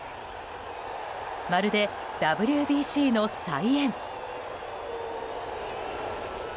まるで、ＷＢＣの再演。